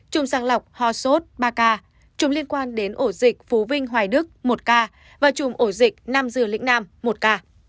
chủng sàng lọc ho sốt ba ca chủng liên quan đến ổ dịch phú vinh hoài đức một ca và chủng ổ dịch nam dừa lĩnh nam một ca